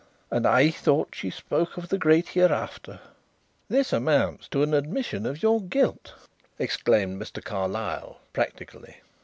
And I thought she spoke of the Great Hereafter!" "This amounts to an admission of your guilt," exclaimed Mr. Carlyle practically.